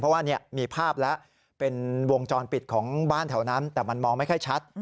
เพราะว่ามีภาพแล้วเป็นวงจรปิดของบ้านแถวนั้นแต่มันมองไม่ค่อยชัด